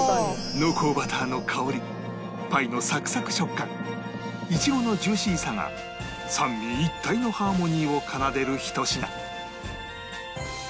濃厚バターの香りパイのサクサク食感いちごのジューシーさが三位一体のハーモニーを奏でるひと品